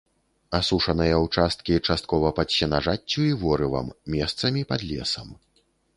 Асушаныя ўчасткі часткова пад сенажаццю і ворывам, месцамі пад лесам.